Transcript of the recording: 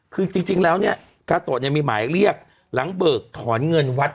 คือจริงแล้วเนี้ยกาโตจะมีหมายเรียกหลังเบิกถอนเงินวัตดิ์เบิตเพชร